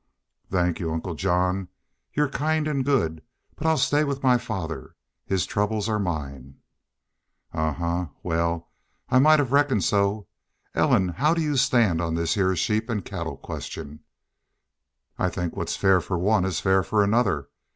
"Thank y'u, Uncle John. Y'u're kind and good. But I'll stay with my father. His troubles are mine." "Ahuh! ... Wal, I might hev reckoned so.... Ellen, how do you stand on this hyar sheep an' cattle question?" "I think what's fair for one is fair for another.